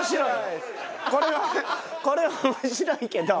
これはこれは面白いけど。